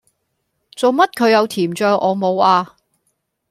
做乜佢有甜醬我冇呀